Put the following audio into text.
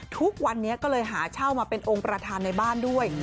ทุกวันนี้ก็เลยหาเช่ามาเป็นองค์ประธานในบ้านด้วย